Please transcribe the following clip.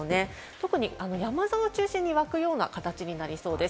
特に山沿いを中心にわくような形になりそうです。